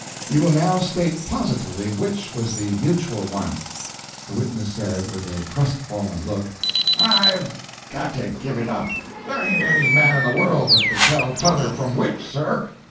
You will now state positively which was the mutual one." The witness said, with a crestfallen look: "I've got to give it up. There ain't any man in the world that could tell t'other from which, sir."